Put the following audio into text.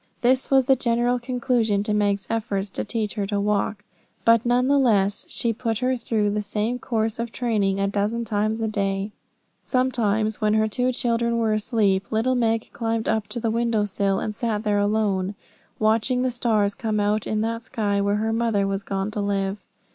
This was the general conclusion to Meg's efforts to teach her to walk, but none the less she put her through the same course of training a dozen times a day. Sometimes, when her two children were asleep, little Meg climbed up to the window sill and sat there alone, watching the stars come out in that sky where her mother was gone to live.